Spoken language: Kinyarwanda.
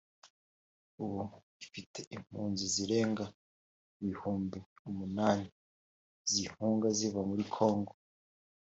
ubu ifite impunzi zirenga ibihumbi umunani zihunga ziva muri Congo